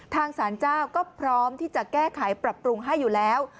สารเจ้าก็พร้อมที่จะแก้ไขปรับปรุงให้อยู่แล้ว